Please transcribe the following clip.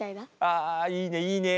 あいいねいいね。